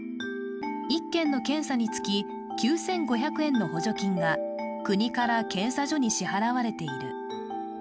１件の検査につき９５００円の補助金が国から検査所に支払われている。